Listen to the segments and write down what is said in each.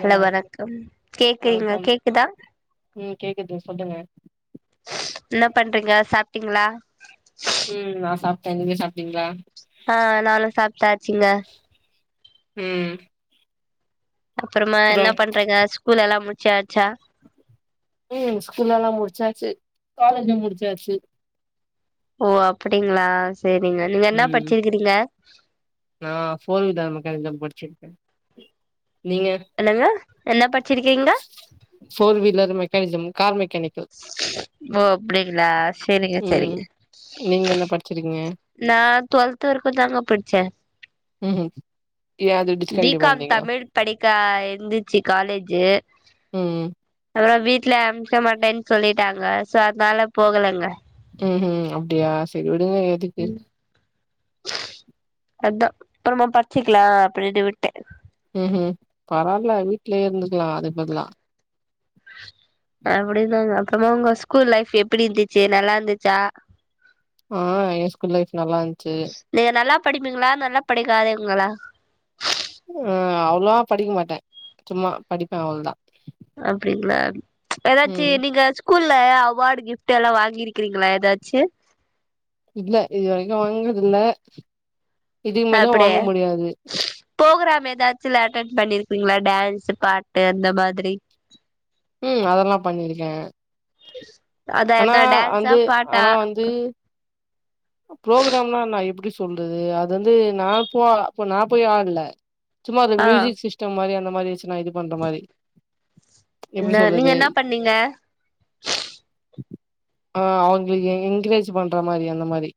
Hello வணக்கம் கேக்குறீங்க வணக்கம் கேக்குதா ம் கேக்குது சொல்லுங்க என்ன பண்றீங்க சாப்டீங்ளா உம் நா சாப் ட நீங்க சாப்ட்டீங்ளா ஆ நானு சாப்டாச்சிங்க உம் அப்பறமா என்ன பண்றிங்க ஸ்கூல் எல்லாமு சாச்சா ம் ஸ்கூல்லல்லா முடிச்சாச்சு காலேஜும் முடிச்சாச்சு ஓ அப்டிங்ளா ஸ் சேரிங்க நீங்க என்னா ம் படிச்சிருக்கிறீங்க நா ஃபோர் வீலர் மெக்கானிக் தா படுச்சிட்க நீங்க என்னங்க என்ன படிச்சிருக்கீங்க ஃபோர் வீலர் மெக்கானிசம் காமிக் ஓ அப்டிங்களா சேரிங்க ம் சேரிங்க, நீங்க என்ன படிச்சிருக்கீங்க நா துவெல்த் வரைக்கும் தாங்க படிச்ச ம்ஹூம் ஏ அது பி டிஸ்கண்டினியூ காம் பண்ட்டீங்க தமிழ் படிக்க இந்துச்சு கா காலேஜு ம்ம் அப்புறோ வீட்ல அமுச்ச மாட்டன்னு சொல்லிட்டாங்க, சோ அதனால போகலங்க. ம்ஹீம் அப்டியா சேரி விடுங்க எதுக்கு ம் அப்பறமா படிச்சிக்கலா அப்படின்டு விட்ட ம்ஹூம் பரவால்ல வீட்லயே இருந்துருக்கலாம் அதுக்கு பதிலா அப்படி தாங்க, அப்பறமா உங்க ஸ்கூல் லைஃப் எப்டி இருந்துச்சு நல்லா இருந்துசா ஆ ஏ ஸ்கூல் லைஃப் நல்லா இருந்துச்சு நீங்க நல்லா படிப்பீங்களா நல்லா படிக்காதவ ங்களா ஆ அவ்ளோவா படிக்க மாட்டே சும்மா படிப்பே அவ்வளதா அப்டிங்களா ஏதாச்சி ம் நீங்க ஸ்கூல்ல அவாடு, கிஃப்ட்லா வாங்கிருக்கிறீங்களா ஏதாச்சி இல்ல, இது வரைக்கு வாங்னதுல்ல இதுக்குமேலு வாங்க முடியாது. எதாச்சு அட்டன் பண்ணிருப்பீங்களா டான்ஸ், பாட்டு அந்த மாதிரி ம் அதெல்லா பண்ணிருக்க அதா ஆனா என்ன டான்ஸா வந்து பாட்டா ஆனா வந்து ப்ரோகராம்னா நா எப்டி சொ சொல்றது அது வந்து நா போ அப்போ நா போய் ஆட்ல. சும்மா அது ஆ மியூசிக் சிஸ்டம் மாரியான மாரி வச் நா இது பண்ற மாரி எப்டி ந நீங்க சொல்றது என்னப்பண்ணீங்க ஆ அவங்கக்கு எங்கரேஜ் பண்ற மாரி அந்த மாரி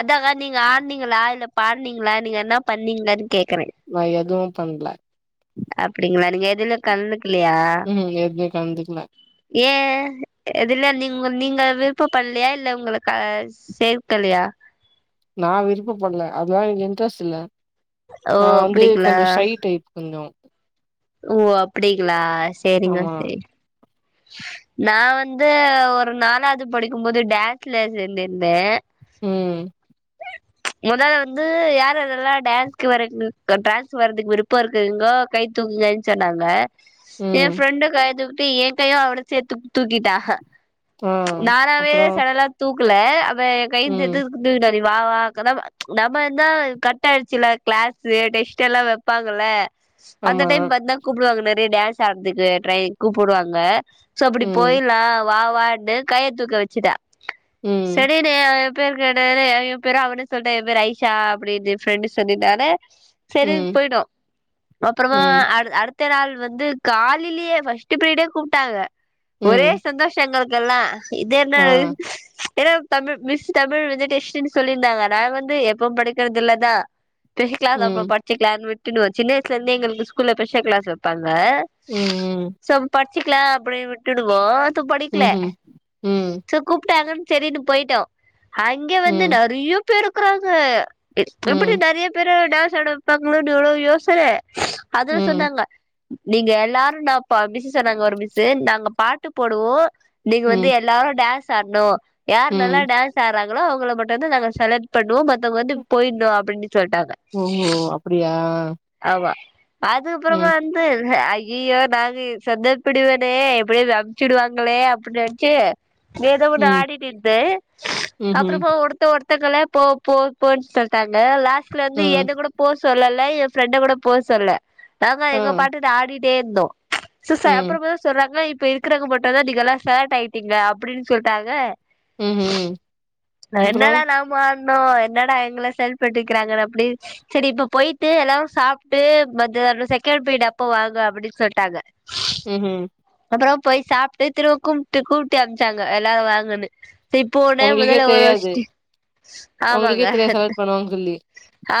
அதாங்க நீங்க ஆட்னீங்களா இல்ல அப்ப ஆட்னீங்கனா நீங்க என்ன பண்ணீங்க நா எதுவு பண்ல அப்டிங்களா நீங்க எதுல கலந்து கில்லயா ம் எதுலயு கலந்துக்கல ஏ எதுல நீங்க நீங்க விருப்ப பட்லயா எ இல்ல உங்களுக்கு அ சேர்க்கல்லையா நா விருப்பப்பட்ல அதுலா எனக்கு இன்ட்ரெஸ்ட் இல்ல ஓ நா வந்து அப்படிங்களா கொஞ்சோ ஷை டைப் கொஞ்சொ ஓ அப்டிகளா சேரிங்க ஆமா சேரி நா வந்து ஒரு நாலாது படிக்கும் போது டேன்ஸ்ல சேந்துருந்தே ஹே மொத வந்து யார்யாரெல்லா டான்ஸ்க்கு வர்றன்னு டான்ஸ்கு வர்றதுக்கு விருப்ப இருக்குங்கோ கை தூக்குங்கன் சொன்னாங்க ஏ ம் ஃரெண்டு கை தூக் டி ஏ கயு அவனு சேத்து தூக்கிட்டா ஹ ஆ நானாவே அப்புறோ செடலா தூக் குல வ ம் கைந்தேந்து தூக்ட் வந் செ வா வா கதா வ நம்ம வந்தா கட் ஆயிடுச்சுல க்ளாஸு டெஷ்டெல்லா வெப்பாங்கல்ல அந்த ஆமா டைம் வந்தா கூப்புடுவாங்க நெறைய டேன்ஸ் சாட்துக்கு ட்ரை கூப்புடுவாங் க சோ அப்புடி ம் போயில்லா வா வான்னு கைய தூக்க வெச்சுட்டா ம் சரி ரே பேரு கேட்டதுல என் பேரு அவனே சொல்ட்டா என் பேர் ஐஷா அப்புடின்னு ஃப்ரெண்ட்டு சொல்லிட்டானே செரின் ம் போயிடோ அப்புறமா ம் அடுத் அடுத் த்த நாள் வந்து காலிலே ஃப்ஸ்ட்டு ப்ரிடே கூப்ட்டாங்க ஒரே ம் சந்தோஷ எங்கள்க் கல்லா இது என்ன ஆ ஏன்னா தமிழ் மிஸ் தமிழ் வந்து டெஷ்ட்டுனு சொல்லியிருந்தாங்க நா வந்து எப்பவு படிக்கிறது இல்லதா ஃபிகி க்ளாஸ் அப்போ ம் படிச்சிக்களான்னு விட் டுனுவோ சின்ன வய்ஸ்லேந்தே எங்ளுக்கு ஸ்கூல்ல ஸ்பெஷ க்ளாஸ் வெப்பாங் வ ம் ம் சம் சிக்லா அப்டினு விட்டுடுவோ து படிக்ல ம்ஹ்ம் ம் சோ கூப்ட்டாங்கன் செரினு போய்ட்டோ அங்கே வந்து ம் நறிய பேரு க்குறாங்க எப்புடி ம் நெறிய பேர டே டேன்ஸாட வெப்பாங்களோனு ஒரே யோசன அது ம் சொன்னாங்க நீங்க எல்லாரு நா பா பிஸி சொன்னாங்க ஒரு மிஸ்சு நாங்க பாட்டு போடுவோ நீங்க வந்து ம் எல்லாரு டேன்ஸ் ஆடனு யார் நல்லா ம் டேன்ஸ் ஆடறாங் களோ அவங்கள மட்டுந்தா நாங்க செலக்ட் பண்ணுவோ மத் தவங்க வந்து போய்ட்ணு அப்படின்னு சொல்ட்டாங்க ஓஹோ அப்டியா அமா அதுக்கப்புறமா ம் வந்து ஐயயோ நாங்க சொதப்பிடுவனே எப்டியோ அனுப்ச்சுடுவாங்களே அப்டி நெனச்சு ஏதோ ஒன்னு ம் ஆடிட்டு இருந்தே ம்ஹ்ம் அப்பறமா ஒருத்த ஒருத் தங்கள போ போ போன்னு சொல்ட்டாங்க லாஸ்ட் லந்து ம் என்ன கூட போ சொல்லல எப் ஃப்ரெண்ட கூட போ சொல்ல நாங்க ஆ எங்க பாட்டுட்ட ஆடிட் டேந்தோ சு ச ம் அப்றமே தா சொல்றாங்க் இப் இப்ப இருக்குறவங்க மட்டுதா நீங்கல்லா செலட் ஆயிட்டீங்க அப்புடின்னு சொல்ட்டாங்க ஹு ஹும் என்னடா நாமோ என்னடா எங்கள செலட் பன்னிட்டுக்கிறாங்கனு அப்புடி சரி இப்ப போய்ட்டு எல்லாரு சாப்ட்டு மத்யானோ செக்கண்ட் பீரியட் அப்ப வாங்க அப்டின் சொல்ட்டாங்க ஹுஹும் அப்பறோ போய் சாப்ட்டு திரும்ப கும்ட்டு கூப்ட்டு அனுப்ச்சாங்க எல்லாரு வாங்கனு சி போன உங்ளுக்கே தெரியாது ஒங்ளுக்கே ஆமாங்க தெரியாது செலக்ட் பண்ணுவாங்கன் சொல்லி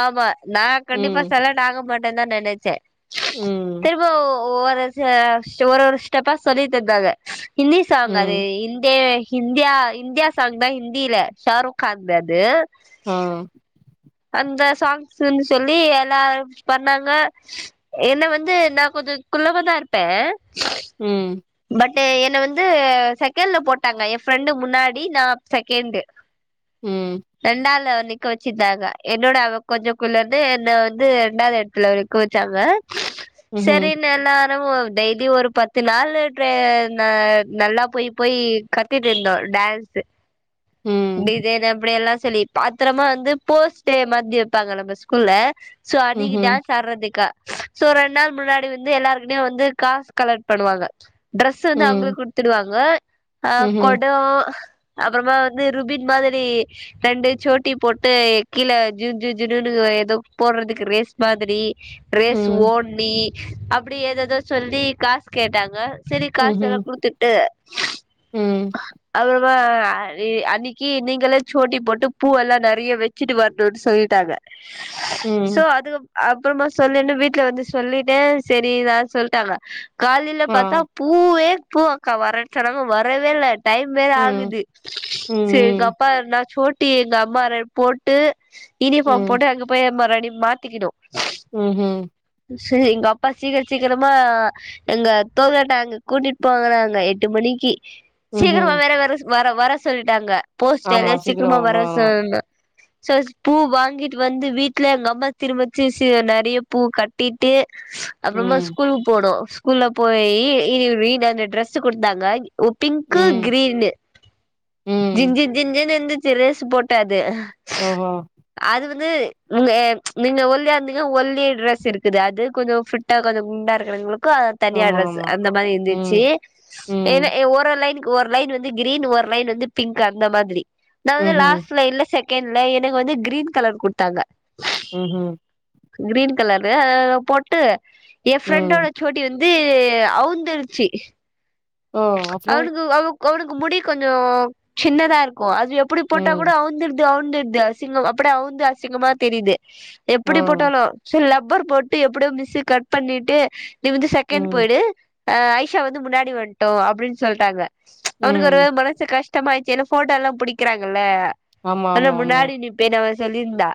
ஆமா நா கண்டிப்பா ம் செலட் ஆக மாட் டதா நெனச்சே ம் திரும்பவு ஒவ்வொரு ச ஒரு ஒரு ஸ்டெப்பா சொல்லித்தந்தாங்க ஹிந்தி சாங் அது ம் இந்தே இன்டியா இன்டியா சாங்தா ஹிந்தில ஷாருக்கான்து அது ஆ அந்த சாங்ஸ்ன்னு சொல்லி எல்லாரு பண்ணாங்க என்ன வந்து நா கொஞ்ச குள்ளமாதா இருப்பே ம் பட் என்ன வந்து செகண்ட்ல போட்டாங்க எ ஃப்ரெண்டு முன்னாடி நா செகெண்டு ம் ரெண்டா ல நிக்க வெச்சுட்டாங்க என்னோட அவ கொஞ்ச குள்ளன்னு என்ன வந்து ரெண்டாவது எடத்துல நிக்க வெச்சாங்க ம்ஹ்ம் செரினு நா னு டெய்லி ஒரு பத்து நாளு ந நல்லா போய் போய் கத்துட்ருந்தோ டான்ஸு ம் டிசைன் அப்டி எல்லா சொல்லி பாத்திரமா வந்து போஸ்ட்டே மாரி வெப்பாங்க நம்ம ஸ்கூல்ல சோ அன்னிக்கு ம்ஹ்ம் டான்ஸ் ஆடறதுக்கு சோ ரெண்டு நாள் முன்னாடி வந்து எல்லாருக்கிட்டயு வந்து காசு கலெக்ட் பண்ணுவாங்க ட்ரெஸ் வந்து அவுங்களே குடுத்துடுவாங்க அ கொட அப்பறமா வந் து ருபின் மாதிரி ரெண்டு சோட்டி போட்டு கீழ ஜூ ஜூ ஜூனுன்னு ஏதோ போட்றதுக்கு ரேஸ் மாதிரி ரேஸ் ஓட்னி அப்டி ஏதேதோ சொல்லி காசு கேட்டாங்க செரி காசு எல்லா குடுத்துட்டு அப்பற இப்ப ஆ தி அன்னிக்கி நீங்களே சோட்டி போட்டு பூ எல்லா நெறைய வச்சிட்டு வரணுன்னு சொல்லிட்டாங்க சோ அதுக்கப் அப் பறமா சொல்லுன்னு வீட்ல வந்து சொல்லிட்டே செரி இதாது சொல்ட்டாங்க காலேல பாத்தா பூவே பூ அக்கா வர்றேன் சொன்னவங்க வரவே இல்ல டைம் வேற ஆகுது செரிங்க்கப்பா எதனா சோட்டி எங்க அம்மா ரெண்டு போட்டு யூனிஃபார்ம் போட்டு அங்க போய் எம்மாரெட் நீ மாத்திகிடு ம் ம் செரி எங்க அப்பா சீக்கிர சீக்கிரமா எங்க தோங்கட்டா அங்க கூட்டிட்டு போவாங்கனாங்க எட்டு மணிக்கு சீக்கிரமா வேற வர வர வர சொல்ட்டாங்க போஸ்ட் ஆமா. எதா சீக்கிரம் சீக்ரமா வர வரும். சொல்னு சோ பூ வாங்கிட்டு வந்து வீட்ல எங்க அம்மா திரும்பச்சு நெறைய பூ கட்டிட்டு அப்பறமா ம். ஸ்கூலுக்கு போனோ குள்ள போய் இ ரீடானந்த டிரெஸு குடுத்தாங்க பிங்கு ம். கிரீனு ம். ஜின் ஜின் ஜின் னு இருந்துச்சு ரேசு போட்ட அது ஓஹோ து நீங்க ஒல்லியா இருந்திங்கா ஒல்லி ட்ரெஸ் இருக்குது அது கொஞ்ச ஃபிட்டா கொஞ்ச குண்டா இருக்றவங்ளுக் கு தனியா ஆமா, ட்ரஸ் ஆமா. அந்த மாரி ம். இருந்துச்சு ம். என ஒரு ஒரு லைனுக் கு ஒரு லைனு வந்து கிரீன் ஒரு லைன் வந்து பிங்க் அந்த மாதிரி நா வந்து ம்ஹ்ம். லாஸ்ட் லைன்ல செக கேன்ல எனுக் வந்து கிரீன் கலர் குட்த்தாங்க ம் ஹும் கிரீன் கலரு அஅ போட்டு ஏ ம். ஃப்ரெண்டோட சோட்டி வந்து அவுன்ந்துருச்சு ஒ அப்றோ கோவ்ளுக்கு முடி கொஞ்சோ சின்னதா இருக்கு அது எப்புடி போட்டா ம். கூட அவுந்து அவுந்துட்து அசிங்கம் அப்படே அவவுந்து அசிங்கமா தெரியுது ஆ. எப்புடி போட்டாலு சோ லெப் பர் போட்டு எப்புடியோ மிஸ்ஸு கட் பண்ணிட்டு நீ வந்து செக்கேண் ம். போயிடு அ ஐஷா வந்து முன்னாடி வாண் டோ அப்புடின் சொல்ட்டாங்க அவ்னக்கு ம். ஒரு மனசு கஷ் டமாய்ச்சி ஏனா போட்டோலா புடிக்கிறாங்கல்ல ஆமா, அன்னா ஆமா, ஆமா. முன்னாடி நிப்பேன் அவ சொல்லிருந்தா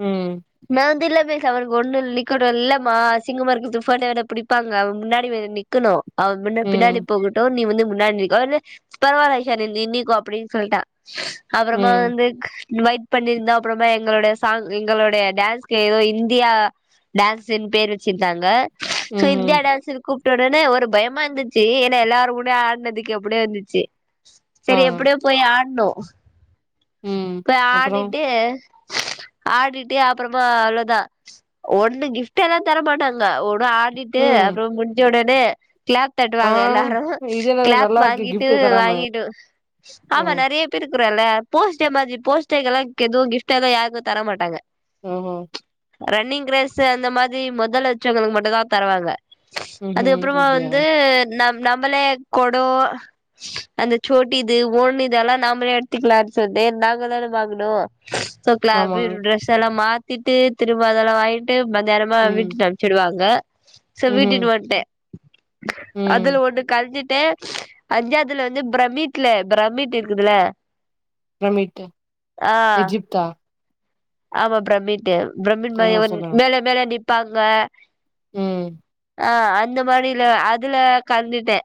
ம். நா வந்து இல்ல அவனுக்கு ஒண்ணு நிக்கணு இல்லமா அசிங்கமாருக்கு துப்பட்டா பிடிப்பாங்க அவ முன்னாடி போய் நா நிக்கணு அவ முன் ம். பின்னாடி போகட்டு நீ வந்து முன்னாடி நின்னுக்கோ இல்ல பரவால நிஷா நீ நின்னுக்கோ அப்டின்னு சொல்ட்ட அப்பறமா ம். வந்து மைக் பண்ணிருந்தா அப்பறமா எங்கோளுடய சாங் எங்களுடய டான்ஸ்க்கு ஏதோ இந்தியா டான்ஸுன் பேர் வெச்சிருந்தாங்க சோ ம்ஹ்ம். இந்தியா டான்ஸுன் கூப் டொடனே ஒரு பயமா இருந்து ச்சு ஏனா எல்லாரு முன்ன ஆடுனதுக்கு எப்டியோ இருந்துச்சு ஆ. செரி எப்படியோ போய் ஆடுணோ ம். க அப்புறம்? ஆடிட்டு ஆடிட்டு அப்பறமா அவ்ளோதா ஒண்ணு கிஃப்ட்எல்லா தரமாட்டாங்க ஒ ஆடிட்டு ம். அப்புற முடிஞ்சொடனே க்ளாப் ஆ! தட்டுவாங்க எல்லாரு இது என்னது கிளாப் நல்லா இருக்கு வாங்கிட்டு கிஃப்ட் தராம. வாங்கிட்டு ஆ ஆமா நெறைய பேருக் குறல்ல போஸ்டே மாத்ரி போஸ்டேக்எல்லா எதுவு கிப்ட் எது யார்க்கு தரமாட்டாங்க ஹோஹோ ரன்னிங் ரேஸு அந்த மாத்ரி மொதல்ல வச்சவங்களுக்கு மட்டு தா தருவாங்க ஹுஹு அதுக்கப்புறமா குடுக்லியா வந்து நம் நம்பளே குடோ அந்த சோட்டிது ஓன்னிது எல்லா நாம்மளே எடுத்துக்லா சொல்தே நாங்க தானே வாங்குணு சோ க்ளா ஆமா பி த்ரெஸ் எல்லா மாத் திட்டு திரும்ப அதலா வாங்கிட்டு நேரமா ம் வீட்டுட்டு அம்ச்சிடுவாங்க சோ ம்ஹூம் வீட்டுனு வன்ட்டே ம் அதுல ஒன்னு கல்ஞ்சிட் அஞ்சாவ்துல வந்து ப்ரமிட்ல ப்ரமிட் இருக்குதுல ப்ரமிட்டு ஆ எஜிப்தா ஆமா ப்ரமித் ப்ரமிட் ஆமா மாரிய வ சொல்லுங்க மே மேல நிப் ப்பாங்க ம் ஆ, அந்த மாரில அதுல கலந்துட்டே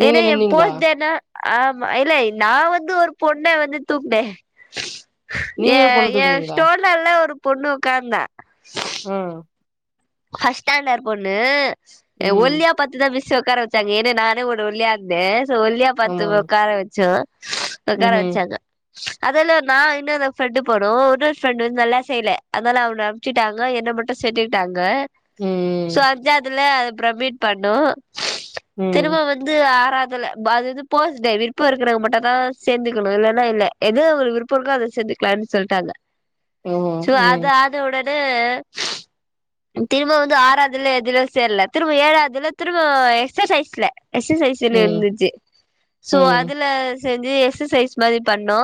வேற நீங்க எ நின்னீங்களா போஸ்டேனா ஆமா இல்ல நா வந்து ஒரு பொண்ண வந்து தூக்குனே நீங்க ஏ ஒரு பொண்ண ஏ தூக்குனீங்களா ஸ்டோர்ல உள்ள ஒரு பொண்ணு உக்காந்தா ம் ஃபஸ்ட் ஸ்டாண்டடு பொண்ணு ஏ ம் ஒல்லியா பாத்துதா மிஸ் ஒக்கார வச்சாங்க ஏன்னா நானு ஒரு ஒல்லியா இருந்த கொஞ்சோ ஒல்லியா ஆமா பாத்து ஒக்காரவச்சோ ஒக்கார ம்ஹூம் வச்சாங்க அதால்ல நா இன்னோரு ஃப்ரெண்டு போனோ இன்னொரு ஃப்ரெண்ட் வந்து நல்லா செய்யல அதனால அவள அம்ச்சிட்டாங்க என்ன மட்டு சேத்துக்கிட்டாங் க சோ ம் அஞ்சாதுல ப்ரமீட் பண்ணோ ம் திரும்ப வந்து ஆற தல அது வந்து போஸ்டே விருப்பவ இருக்குறங் மட்டுந்தா சேந்துக்கணு இல்லேன்னா இல்லே எது அவ்ங்ளு விருப்பொ இருக்கோ அத சேந்துக்கலான் சொல்ட்டாங்க ஓஹோ சோ அத ம் அதோட ஆ திரும்ப வந்து ஆறாதுல எதுலோ சேர்ல திரும்ப ஏழாதுல திரும்ப எக்ஸசைஸ்ல எக்ஸசைஸ்ல ம் இருந்துச்சு சோ ம் அதுல செஞ்சு எக்ஸசைஸ் மாரி பண்ணோ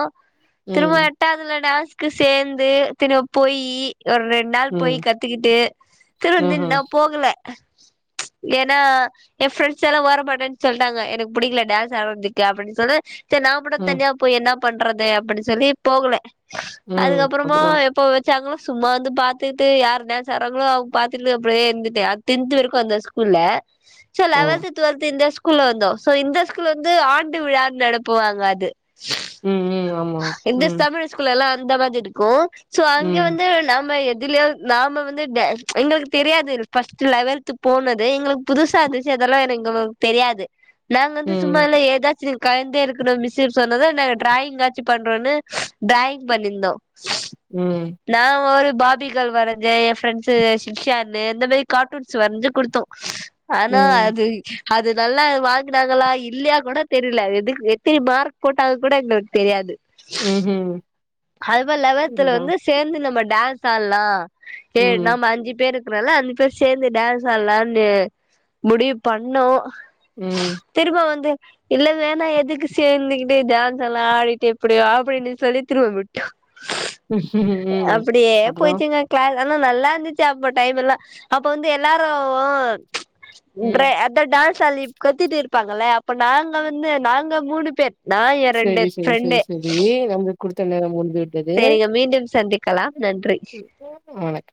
திரும்ப ம் எட்டாவ்துல டான்ஸ் க்கு சேந்து தினொ போயி ஒரு ரெண் நாள் போய் ம் கத்துக்கிட்டு திரும் ஆஹா நின் நா போகல ஏனா ஏ ஃப்ரெண்ட்ஸ் எல்லா வர மாட்டேன் சொல்ட்டாங்க எனக்கு புடிக்ல டான்ஸ் ஆட்ரத்துக்கு அப்டின் சொன்ன செரி நா மட்டு ம் தனியா போய் என்னாப் பண்றது அப்டி சொல்லி போகல ம் அதுக்கப்பறமா அப்றோ எப்போ சாங்களோ சும்மா வந்து பாத்துட்டு யார் டான்ஸ் ஆடு றாங்ளோ அவுங்க பாத்துட்டு அப்டியே இருந்துட்டே டென்த்து வரிக்கு அந்த ஸ்கூல்ல சோ ஓ லெவல்த்து டுவெல்த்து இந்த ஸ்கூ ல்ல வந்தோ சோ இந்த ஸ்கூல் வந்து ஆண்டு விழான் நடத்துவாங்க அது ம் ம் ஆமா இந்தஸ் ம் தமிழ் ஸ்கூல்ல எல்லா இந்த மாதிரி இருக்கு சோ அங்க ம் வந்து நம்ம எ இதுலயு நாம வந்து டே எங்களுக்கு தெரியாது ஃபர்ஸ்ட்டு லெவல்த் போனது எங்களுக்கு புதுசா இருந்துச்சு அதெல்லா என எங்ளுக்கு தெரியாது நாங்க வந்து ம் சும்மால ஏதாச்சு கலந்தே இருக்குனு மிஸ்ஸு சொ ன்னது நாங்க டிராயிங் ஆ சி பண்றோனு டிராயிங் பண்ணீந்தோ ம் நா ஒரு பார்பி கேர்ள் வரெஞ்சே எ ஃப்ரெண்ட்ஸ்சு சிக்ஷானு இந்த மேரி கார்ட்டூன்ஸ் வரிஞ்சு குடுத்தோ ஆனா ம் அது அது நல்லா வாங்குனாங்களா இல்லையா கூட தெரில எதுக் எத்தின மார்க் போட்டாங்க கூட எங்களுக்கு தெரியாது ம் ம் அது மாரி லெவல்த்துல வந்து சேந்து நம்ம டான்ஸ் சால்லா ஏ ம் நம்ம அஞ்சு பேரு அதனால அஞ்சு பேர் சேந்து டான்ஸ் ஆட்லானு முடிவு பண்ணோ ம் திரும்ப வந்து இல்ல வேணா எதுக்கு சேந்துக்கிட்டு டான்ஸ் எல்லா ஆடிட்டு எப்டியோ அப்படின்னு சொல்லி திரும்ப விட்டோ ம். அப்படியே அப்புறம்? போய்ச்சுங்க க்ளா ஆனா நல்லா இருந்துச்சு அப்போ டைம் எல்லா அப்ப வந்து எல்லாரு ட்ரே ம். அதா டான் சொல்லி குத்திட்டு இருப்பாங்கல்ல அப்ப நாங்க வந்து நாங்க மூணு பேர் நா என் ரெண்டு சரி, சரி, ஃப்ரண்டு சரி, சரி. நம்மளுக்கு குடுத்த [unintelligible] செரிங்க மீண்டும் சந்திக்கலா நன்றி ம். வணக்கம்.